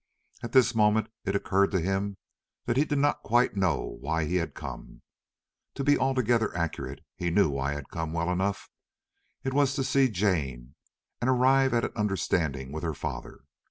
At this moment it occurred to him that he did not quite know why he had come. To be altogether accurate, he knew why he had come well enough. It was to see Jane, and arrive at an understanding with her father.